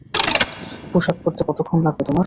পোশাক পরতে কতোক্ষণ লাগবে তোমার?